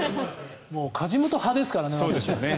梶本派ですからね。